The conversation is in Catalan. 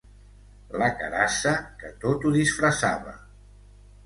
La carassa que tot ho disfressava...